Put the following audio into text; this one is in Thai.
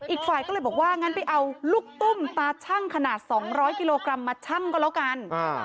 อีกฝ่ายก็เลยบอกว่างั้นไปเอาลูกตุ้มตาชั่งขนาด๒๐๐กิโลกรัมมาชั่งก็แล้วกัน